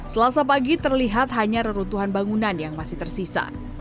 selasa pagi terlihat hanya reruntuhan bangunan yang masih tersisa